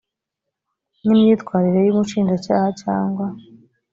n imyitwarire y umushinjacyaha cyangwa